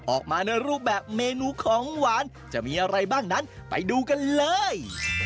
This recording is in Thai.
ออกมาในรูปแบบเมนูของหวานจะมีอะไรบ้างนั้นไปดูกันเลย